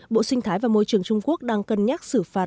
bộ sinh thái và môi trường trung quốc đang cân nhắc xử phạt